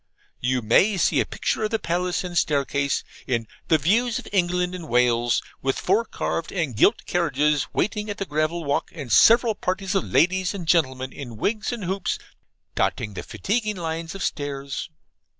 You may see a picture of the palace and staircase, in the 'Views of England and Wales,' with four carved and gilt carriages waiting at the gravel walk, and several parties of ladies and gentlemen in wigs and hoops, dotting the fatiguing lines of stairs.